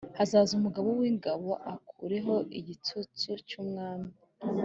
Hazaza umugaba w’ingabo akureho igitutsi cy’umwami